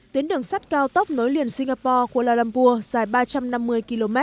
tuyến đường sắt cao tốc nối liền singapore kuala lumpur dài ba trăm năm mươi km